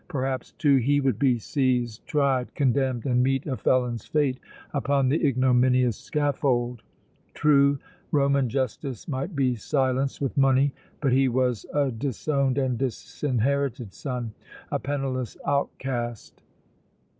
Perhaps, too, he would be seized, tried, condemned and meet a felon's fate upon the ignominious scaffold! True, Roman justice might be silenced with money, but he was a disowned and disinherited son, a penniless outcast!